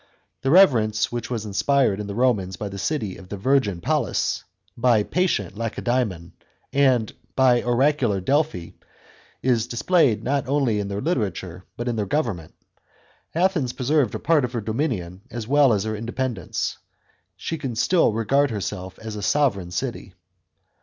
The reverence which was inspired in the Romans by the city of virgin Pallas, by " patient Lacedasmon," by oracular Delphi, is displayed not only in their literature, but in their government. Athens preserved a part of her dominion as well as her independence ; she could still regard herself as a sovran city.